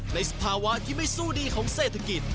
สภาวะที่ไม่สู้ดีของเศรษฐกิจ